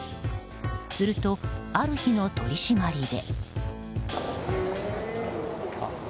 すると、ある日の取り締まりで。